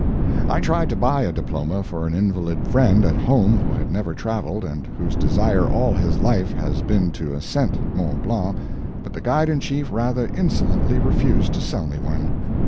I tried to buy a diploma for an invalid friend at home who had never traveled, and whose desire all his life has been to ascend Mont Blanc, but the Guide in Chief rather insolently refused to sell me one.